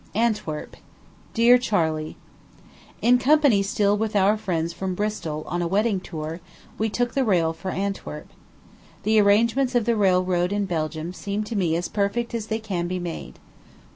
ANTWERP. DEAR CHARLEY: In company still with our friends from Bristol on a wedding tour, we took the rail for Antwerp. The arrangements of the railroad in Belgium seem to me as perfect as they can be made.